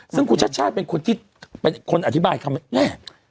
ซึ่งบุธชาติเป็นคนที่อธิบายคำแย่